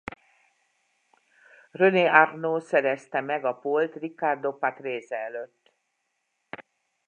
René Arnoux szerezte meg a pole-t Riccardo Patrese előtt.